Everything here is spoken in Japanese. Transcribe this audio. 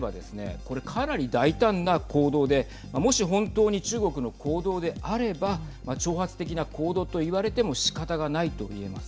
これ、かなり大胆な行動でもし本当に中国の行動であれば挑発的な行動と言われてもしかたがないと言えます。